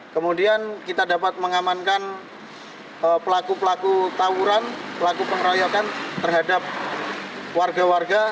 kemudian kita dapat mengamankan pelaku pelaku tawuran pelaku pengeroyokan terhadap warga warga